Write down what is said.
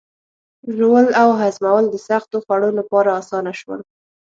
ژوول او هضمول د سختو خوړو لپاره آسانه شول.